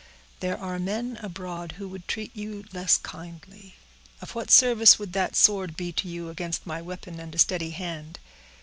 There are men abroad who would treat you less kindly. Of what service would that sword be to you against my weapon and a steady hand?